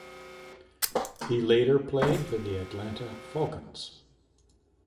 He later played for the Atlanta Falcons.